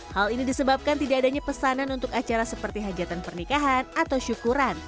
hal ini disebabkan tidak adanya pesanan untuk acara seperti hajatan pernikahan atau syukuran